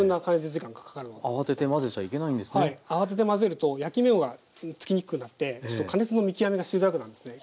慌てて混ぜると焼き目がつきにくくなって加熱の見極めがしづらくなるんですね。